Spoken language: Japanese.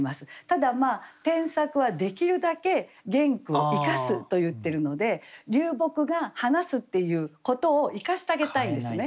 ただ添削はできるだけ原句を生かすといってるので「流木が話す」っていうことを生かしてあげたいんですね。